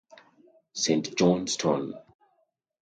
St Johnstone